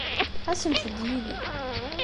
Asemt-d yid-i.